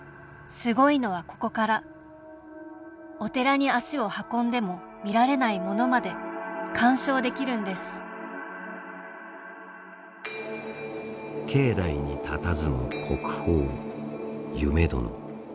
すごいのはここからお寺に足を運んでも見られないものまで鑑賞できるんです境内にたたずむ、国宝「夢殿」。